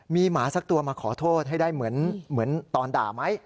มีหมาสักตัวมาขอโทษให้ได้เหมือนตอนด่าไหม